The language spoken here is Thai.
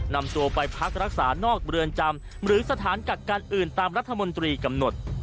นำตัวไปพักรักษานอกเรือนจำหรือสถานกักกันอื่นตามรัฐมนตรีกำหนด